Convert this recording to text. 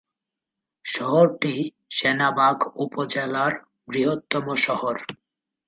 শহরটি সেনবাগ উপজেলার বৃহত্তম শহর।